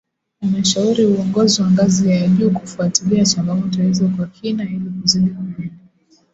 Ameshauri uongozi wa ngazi ya juu kufuatilia changamoto hizo kwa kina ili kuzidi kulinda